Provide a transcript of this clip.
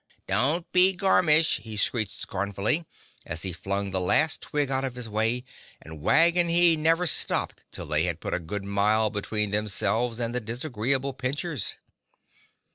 "Don't be gormish," he screeched scornfully, as he flung the last Twig out of his way and Wag and he never stopped till they had put a good mile between themselves and the disagreeable pinchers.